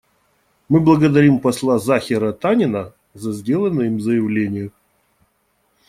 Мы благодарим посла Захира Танина за сделанное им заявление.